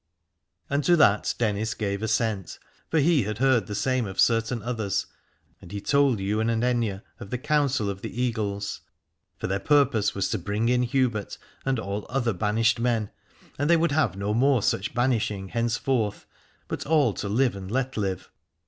And to that Dennis gave assent, for he had heard the same of certain others : and he told Ywain and Aithne of the counsel of the Eagles. For their purpose was to bring in Hubert and all other banished men, and they would have no more such banishing hence forth, but all to live and let live.